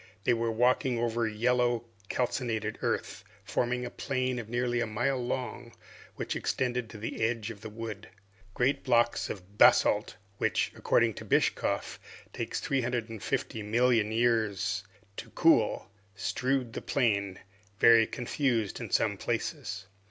They were walking over yellowish calcinated earth, forming a plain of nearly a mile long, which extended to the edge of the wood. Great blocks of that basalt, which, according to Bischof, takes three hundred and fifty millions of years to cool, strewed the plain, very confused in some places.